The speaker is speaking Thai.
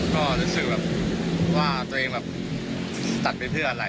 ก็รู้สึกว่าตัวเองจัดไปเพื่ออะไร